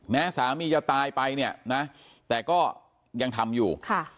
แม้สามีจะตายไปเนี่ยนะแต่ก็ยังทำอยู่